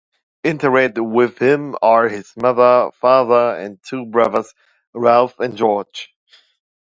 Interred with him are his mother, father and two brothers: Ralph and George.